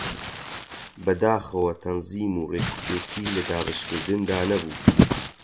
بەداخەوە تەنزیم و ڕێکوپێکی لە دابەشکردندا نەبوو